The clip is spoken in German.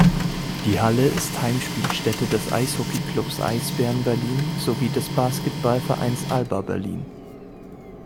Die Halle ist Heimspielstätte des Eishockeyclubs Eisbären Berlin sowie des Basketballvereins Alba Berlin.